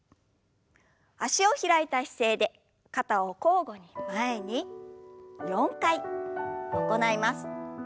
脚を開いた姿勢で肩を交互に前に４回行います。